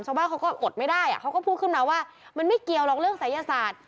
ชาวบ้านเขาก็อดไม่ได้เขาก็พูดขึ้นมาว่ามันไม่เกี่ยวหรอกเรื่องศัยศาสตร์